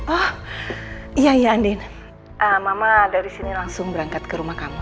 oh iya yandi mama dari sini langsung berangkat ke rumah kamu